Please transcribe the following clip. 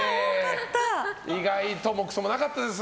意外ともクソもなかったです。